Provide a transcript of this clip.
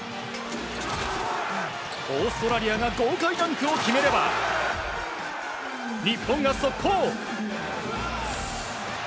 オーストラリアが豪快ダンクを決めれば日本が速攻。